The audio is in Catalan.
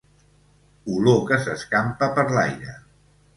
Olor que s'escampa per l'aire.